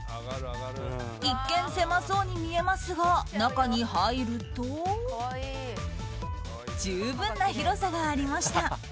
一見、狭そうに見えますが中に入ると十分な広さがありました。